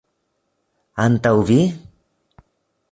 Antaŭ vi?